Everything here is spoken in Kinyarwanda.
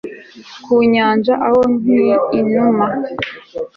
ku nyanja, aho, nk'inuma